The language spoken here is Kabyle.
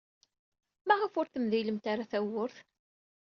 Maɣef ur temdilemt ara tawwurt?